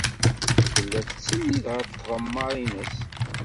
Tella tettsennid ɣef tɣemmar-nnes.